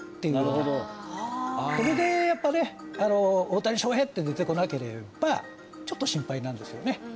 大谷翔平って出てこなければちょっと心配なんですよね